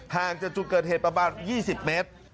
ห่างจากจุดเกิดเหตุประมาณ๒๐เมตร